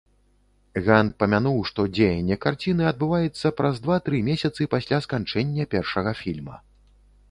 Ган памянуў, што дзеянне карціны адбываецца праз два-тры месяцы пасля сканчэння першага фільма.